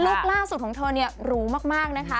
ลูกล่าสุดของเธอรู้มากนะคะ